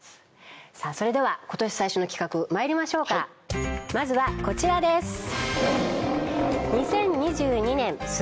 それでは今年最初の企画まいりましょうかまずはこちらです